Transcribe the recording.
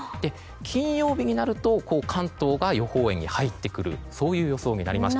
金曜日になると、関東が予報円に入ってくる予想になりました。